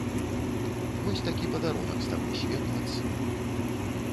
Вось такі падарунак з таго свету ад сына.